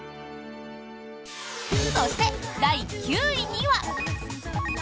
そして、第９位には。